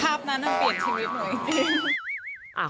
ภาพนั้นต้องเปลี่ยนชีวิตหน่อย